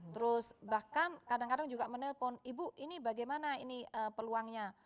terus bahkan kadang kadang juga menelpon ibu ini bagaimana ini peluangnya